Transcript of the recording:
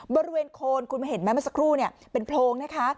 บริเวณโคนคุณเห็นไหมสักครู่เป็นโพรงนะคะ